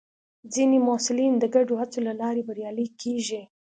ځینې محصلین د ګډو هڅو له لارې بریالي کېږي.